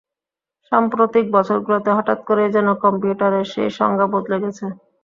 সাম্প্রতিক বছর গুলোতে হঠাৎ করেই যেন কম্পিউটারের সেই সংজ্ঞা বদলে গেছে।